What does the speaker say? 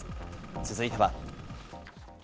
続いては。